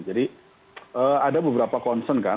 jadi ada beberapa concern kan